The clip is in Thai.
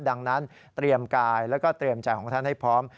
ดังนั้นเตรียมกายแล้วก็เตรียมใจของท่านให้พร้อม